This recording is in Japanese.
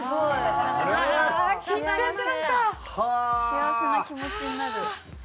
幸せな気持ちになる。